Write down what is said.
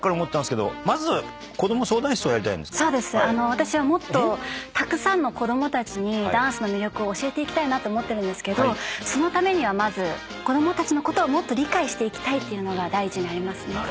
私はもっとたくさんの子供たちにダンスの魅力を教えていきたいなと思ってるんですけどそのためにはまず子供たちのことをもっと理解していきたいっていうのが第一にありますね。